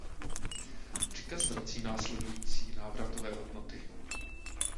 Příkaz vrací následující návratové hodnoty.